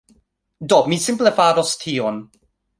Do, mi simple faros tion.